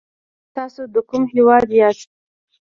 تاسو د کوم هېواد یاست ؟